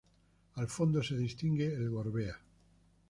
Al fondo se distingue el Gorbea.